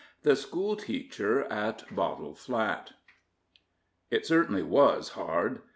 THE SCHOOLTEACHER AT BOTTLE FLAT. It certainly was hard.